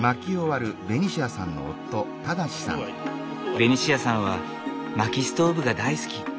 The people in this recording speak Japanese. ベニシアさんは薪ストーブが大好き。